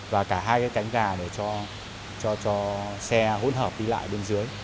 và cả hai cái cánh gà để cho xe hỗn hợp đi lại bên dưới